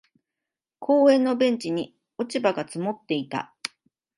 公園のベンチに落ち葉が積もっていた。